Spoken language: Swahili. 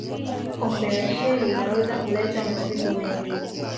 Operesheni inaweza kuleta matatizo mengi